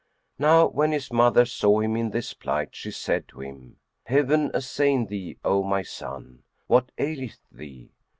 Now when his mother saw him in this plight, she said to him, "Heaven assain thee, O my son! What aileth thee?"